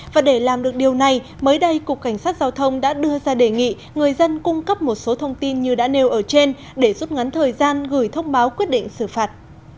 và để làm được điều này mới đây cục cảnh sát giao thông đã đưa ra đề nghị người dân cung cấp một số thông tin như đã nêu ở trên để rút ngắn thời gian gửi thông báo quyết định xử phạt